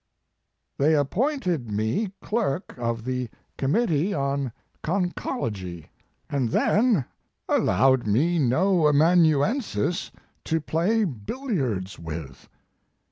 * "They appointed me clerk of the com mittee on conchology, and then allowed me no amanuensis to play billiards with."